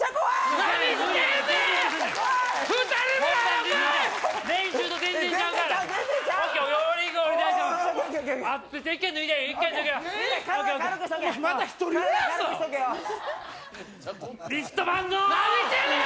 何してんねん！